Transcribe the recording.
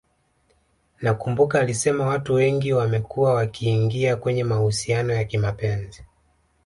nakumbuka alisema Watu wengi wamekua wakiingia kwenye mahusiano ya kimapenzi